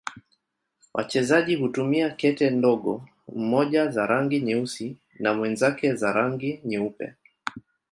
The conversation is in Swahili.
Wachezaji hutumia kete ndogo, mmoja za rangi nyeusi na mwenzake za rangi nyeupe.